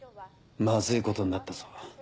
マズいことになったぞ。